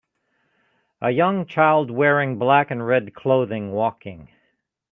A young child wearing black and red clothing walking